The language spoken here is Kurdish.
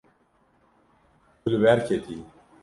Tu li ber ketiyî.